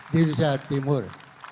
di indonesia timur